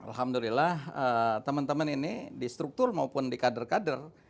alhamdulillah teman teman ini di struktur maupun di kader kader